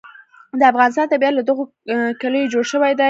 د افغانستان طبیعت له دغو کلیو جوړ شوی دی.